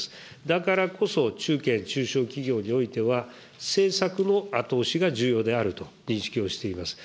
だからこそ、中堅、中小企業においては、政策の後押しが重要であると認識をしております。